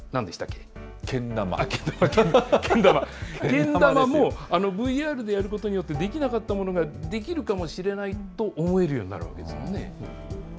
けん玉、けん玉もＶＲでやることによってできなかったものができるかもしれないと思えるようになるわけですよね。